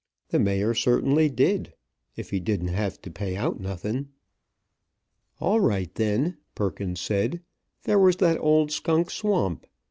The mayor certainly did, if he didn't have to pay out nothin'. All right, then, Perkins said, there was that old Skunk Swamp.